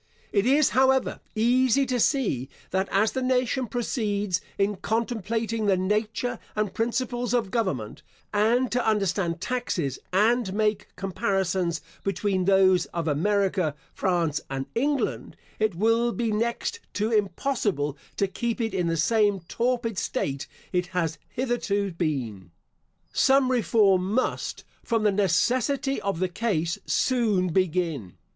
It is, however, easy to see, that as the nation proceeds in contemplating the nature and principles of government, and to understand taxes, and make comparisons between those of America, France, and England, it will be next to impossible to keep it in the same torpid state it has hitherto been. Some reform must, from the necessity of the case, soon begin.